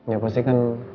ya pasti kan